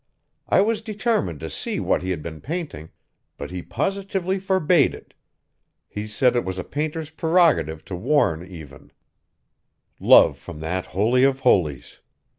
I was determined to see what he had been painting, but he positively forbade it. He said it was a painter's prerogative to warn even love from that holy of holies.